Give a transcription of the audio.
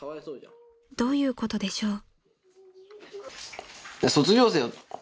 ［どういうことでしょう？］